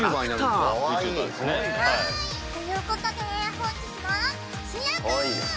はーい！ということで本日の主役！